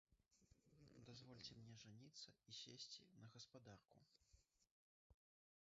Дазвольце мне жаніцца і сесці на гаспадарку.